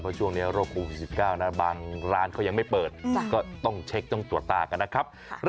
เพราะช่วงนี้โรคโควิด๑๙บางร้านเขายังไม่เปิดก็ต้องเช็คต้องตรวจตากันนะครับ